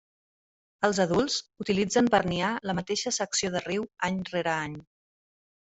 Els adults utilitzen per niar la mateixa secció de riu any rere any.